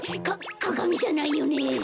かかがみじゃないよね？